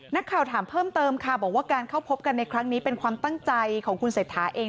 นักข่าวถามเพิ่มเติมค่ะบอกว่าการเข้าพบกันในครั้งนี้เป็นความตั้งใจของคุณเศรษฐาเอง